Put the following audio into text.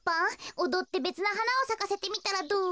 おどってべつなはなをさかせてみたらどう？